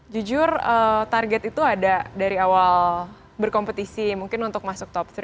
jujur target itu ada dari awal berkompetisi mungkin untuk masuk top tiga